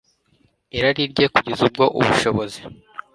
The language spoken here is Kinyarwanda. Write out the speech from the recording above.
irari rye, kugeza ubwo ubushobozi